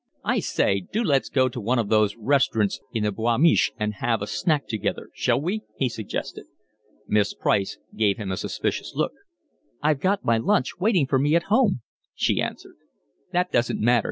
"I say, do let's go to one of those restaurants in the Boul' Mich' and have a snack together, shall we?" he suggested. Miss Price gave him a suspicious look. "I've got my lunch waiting for me at home," she answered. "That doesn't matter.